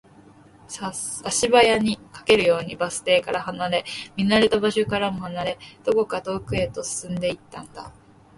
足早に、駆けるようにバス停から離れ、見慣れた場所からも離れ、どこか遠くへと進んでいったんだ